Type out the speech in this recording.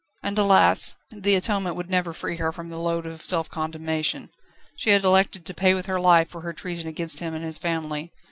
And, alas! the atonement would never free her from the load of self condemnation. She had elected to pay with her life for her treason against him and his family.